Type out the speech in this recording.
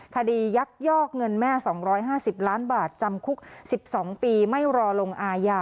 ยักยอกเงินแม่๒๕๐ล้านบาทจำคุก๑๒ปีไม่รอลงอาญา